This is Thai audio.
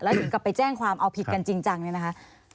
ถึงกลับไปแจ้งความเอาผิดกันจริงจังเนี่ยนะคะ